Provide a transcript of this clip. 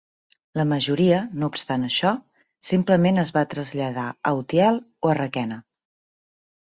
La majoria, no obstant això, simplement es van traslladar a Utiel o a Requena.